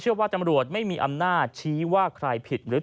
ว่าตำรวจไม่มีอำนาจชี้ว่าใครผิดหรือ